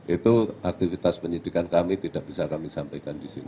itu aktivitas penyidikan kami tidak bisa kami sampaikan di sini